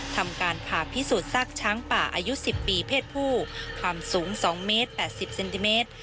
ทำการผ่าพิสูจน์ซากช้างป่าอายุ๑๐ปีเพศผู้ความสูง๒เมตร๘๐เซนติเมตร